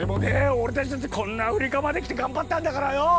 俺たちだってこんなアフリカまで来て頑張ったんだからよ！